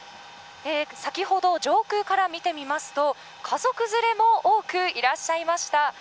先ほど、上空から見てみますと家族連れも多くいらっしゃいました。